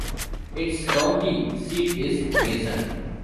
Its county seat is Mason.